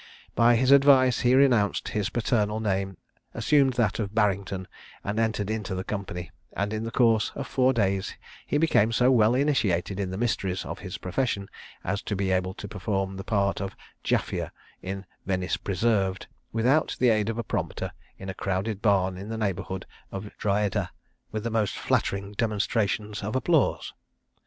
By his advice he renounced his paternal name, assumed that of Barrington, and entered into the company; and in the course of four days he became so well initiated in the mysteries of his profession as to be able to perform the part of Jaffier in "Venice Preserved," without the aid of a prompter, in a crowded barn in the neighbourhood of Drogheda with the most flattering demonstrations of applause.